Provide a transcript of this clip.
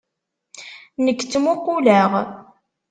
Nekk ttmuquleɣ.